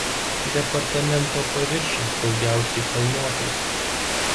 Departamento paviršius daugiausia kalnuotas.